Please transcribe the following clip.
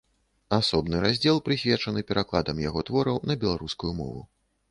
Асобны раздзел прысвечаны перакладам яго твораў на беларускую мову.